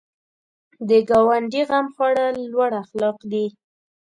د ګاونډي غم خوړل لوړ اخلاق دي